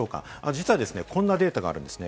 実はですね、こんなデータがあるんです。